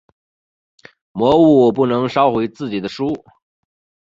魔物不能烧毁自己的书。